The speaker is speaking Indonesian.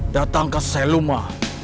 datang ke seluma